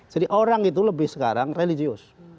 jadi orang itu lebih sekarang religius